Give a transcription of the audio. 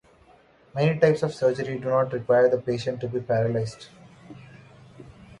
Many types of surgery do not require the patient to be paralyzed.